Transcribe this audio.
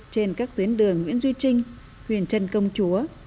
trên các tuyến đường nguyễn duy trinh huyền trân công chúa